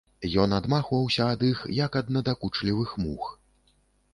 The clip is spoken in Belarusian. Ён адмахваўся ад іх, як ад надакучлівых мух.